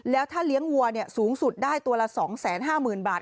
แล้วถ้าเลี้ยงวัวสูงสุดได้ตัวละ๒๕๐๐๐บาท